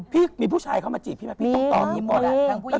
พี่มีผู้ชายเข้ามาจีบพี่มั้ยตรงต่อมิ้วหมดค่ะ